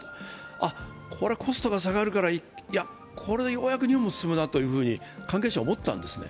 あっ、これコストが下がるからこれでようやく日本も進むなって関係者は思ったんですね。